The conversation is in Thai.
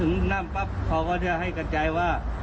นั่นปั๊บเขาก็จะให้กระจายว่า